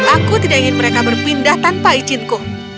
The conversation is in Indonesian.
aku tidak ingin mereka berpindah tanpa izinku